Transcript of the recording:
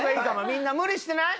みんな無理してない？